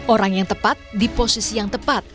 orang yang tepat di posisi yang tepat